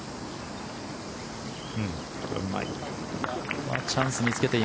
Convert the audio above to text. うまい。